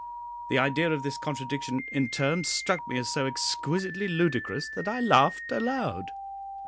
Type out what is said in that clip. The idea of this contradiction in terms struck me as so exquisitely ludicrous, that I laughed aloud.